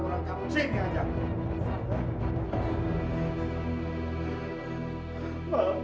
kurang ajar dia itu berapa kali dia